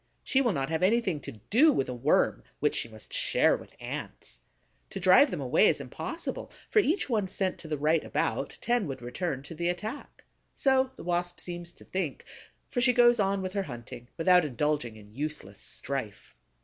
She will not have anything to do with a Worm which she must share with Ants. To drive them away is impossible; for each one sent to the right about, ten would return to the attack. So the Wasp seems to think; for she goes on with her hunting, without indulging in useless strife.